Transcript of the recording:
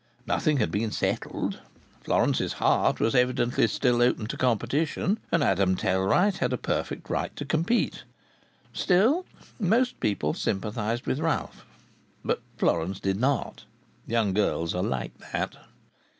Nothing had been settled. Florence's heart was evidently still open to competition, and Adam Tellwright had a perfect right to compete. Still, most people sympathized with Ralph. But Florence did not. Young girls are like that.